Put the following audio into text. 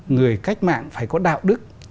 người cách mạng phải có đạo đức